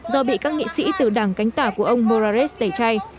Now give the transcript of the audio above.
do bị các nghị sĩ từ đảng cánh tả của ông morales tẩy chay